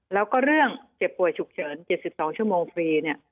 แล้วก็เรื่องเจ็บป่วยฉุกเฉิน๗๒ชั่วโมงฟรีเนี่ย